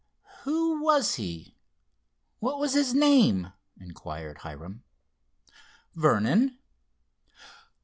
"Who was he—what was his name?" inquired Hiram. "Vernon."